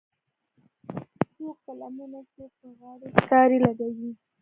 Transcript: څوک په لمنو څوک په غاړو ستارې لګوي